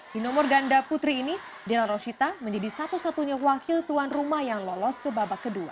di nomor ganda putri ini delta roshita menjadi satu satunya wakil tuan rumah yang lolos ke babak kedua